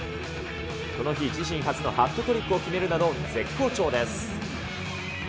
この日、自身初のハットトリックを決めるなど、絶好調です。